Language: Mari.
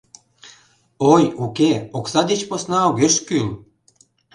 Ой, уке, окса деч посна огеш кӱл.